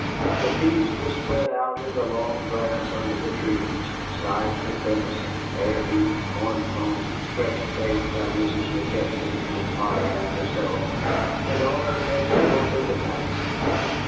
The feast was spread out in the long grass under the trees sides of venison, bear meat, corn pone fresh baked by Mrs. McChesney and Polly Ann herself, and all the vegetables in the patch.